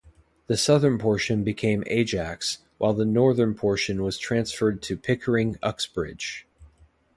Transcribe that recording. The southern portion became Ajax, while the northern portion was transferred to Pickering-Uxbridge.